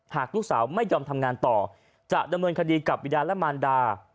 หากลูกสาวไม่ยอมทำงานต่อจะดำเนินคดีกับบิดาและมารดา